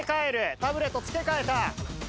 タブレット付け替えた。